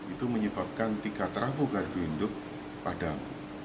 itu menyebabkan tiga trafo gardu induk padam